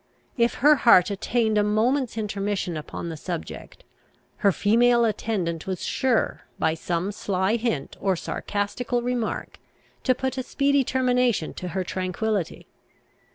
If her heart attained a moment's intermission upon the subject, her female attendant was sure, by some sly hint or sarcastical remark, to put a speedy termination to her tranquillity.